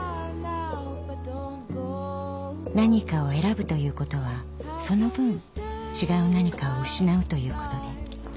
［何かを選ぶということはその分違う何かを失うということで］